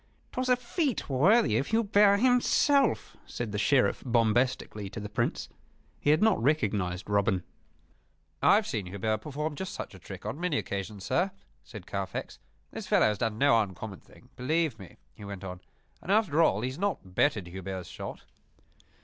"'Twas a feat worthy of Hubert himself," said the Sheriff, bombastically, to the Prince. He had not recognized Robin. "I have seen Hubert perform just such a trick on many occasions, sir," said Carfax. "This fellow has done no uncommon thing, believe me," he went on. "And after all, he has not bettered Hubert's shot."